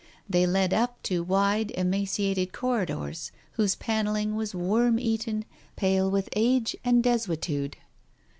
They led up to wide, emaciated corridors, whose panelling was worm eaten, pale with age and desuetude.